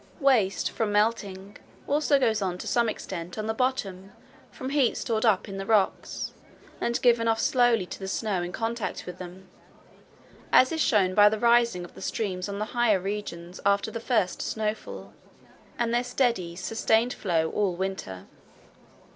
Waste from melting also goes on to some extent on the bottom from heat stored up in the rocks, and given off slowly to the snow in contact with them, as is shown by the rising of the streams on all the higher regions after the first snowfall, and their steady sustained flow all winter.